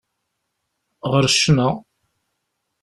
Ɣer ccna.